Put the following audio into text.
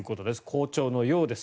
好調のようです。